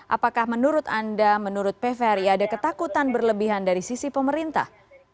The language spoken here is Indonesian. apakah menurut anda menurut pvry ada ketakutan berlebihan dari sisi pemerintah